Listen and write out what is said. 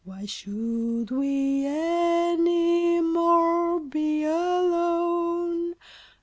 Why should we any more be alone?